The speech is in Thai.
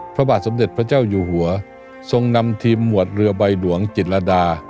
พระบาทสมเด็จพระเจ้าอยู่หัวทรงนำทีมหมวดเรือใบหลวงจิตรดา